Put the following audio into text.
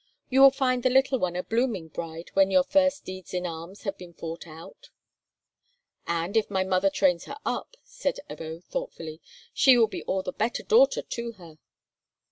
You will find the little one a blooming bride when your first deeds in arms have been fought out." "And, if my mother trains her up," said Ebbo, thoughtfully, "she will be all the better daughter to her.